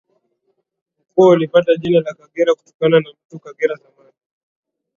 Mkoa ulipata jina la Kagera kutokana na Mto Kagera zamani